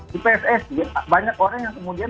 di pssi banyak orang yang kemudian